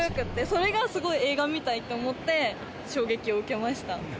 それがすごい映画みたいと思って衝撃を受けました。